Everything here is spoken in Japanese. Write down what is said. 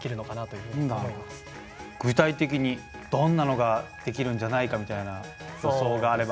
具体的にどんなのができるんじゃないかみたいな予想があれば。